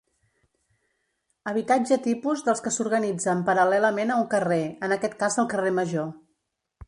Habitatge tipus dels que s'organitzen paral·lelament a un carrer, en aquest cas el carrer Major.